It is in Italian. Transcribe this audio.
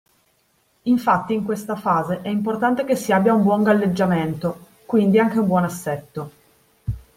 Infatti in questa fase è importante che si abbia un buon galleggiamento (quindi anche un buon assetto).